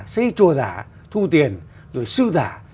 xây chùa giả thu tiền rồi sư giả